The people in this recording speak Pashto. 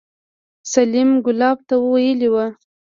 سليم ګلاب ته ويلي وو.